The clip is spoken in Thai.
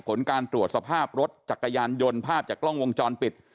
ผลการตรวจสภาพรถจักรยานยนต์ภาพจากกล้องวงจรปิด